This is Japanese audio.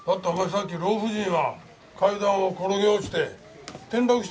さっき老婦人は階段を転げ落ちて転落したんだろ？